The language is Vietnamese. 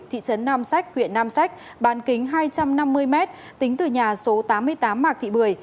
thị trấn nam sách huyện nam sách bán kính hai trăm năm mươi m tính từ nhà số tám mươi tám mạc thị bưởi